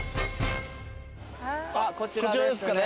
こちらですかね。